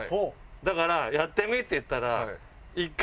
だから「やってみ」って言ったら。